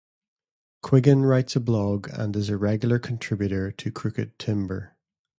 Quiggin writes a blog, and is a regular contributor to "Crooked Timber".